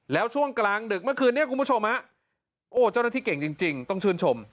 แล้วช่วงกลางดึกเมื่อคืนนี้คุณผู้ชมฮะโอ้เจ้าหน้าที่เก่งจริงต้องชื่นชม